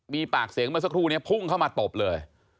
มีปากเสียงเมื่อสักครู่นี้พุ่งเข้ามาตบเลย